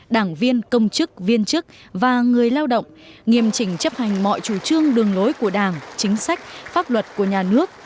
đảng viên công chức viên chức và người lao động nghiêm trình chấp hành mọi chủ trương đường lối của đảng chính sách pháp luật của nhà nước